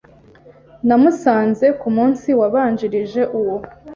Namusanze kumunsi wabanjirije uwo.